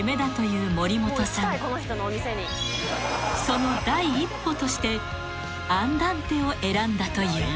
［その第一歩としてアンダンテを選んだという］